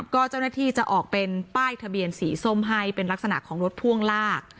ก็เจ้าหน้าที่จะออกเป็นป้ายทะเบียนสีส้มให้เป็นลักษณะของรถพ่วงลาก